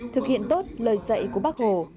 thực hiện tốt lời dạy của bác hồ